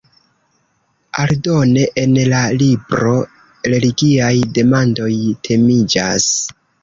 Aldone en la libro religiaj demandoj temiĝas.